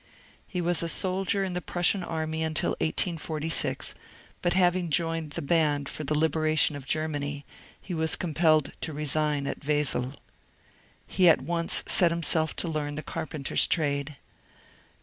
He was a soldier in the Prussian army until 1846, but having joined the b^nd for the liberation of Germany, he was com pelled to resign at Wesel. He at once set himself to leam the carpenter's trade.